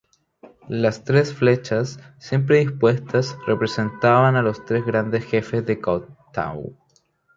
Las tres flechas, siempre dispuestas, representaban a los tres grandes jefes choctaw.